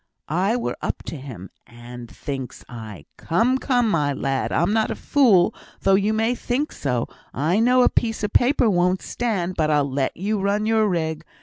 I were up to him; and, thinks I, Come, come, my lad, I'm not a fool, though you may think so; I know a paper will won't stand, but I'll let you run your rig.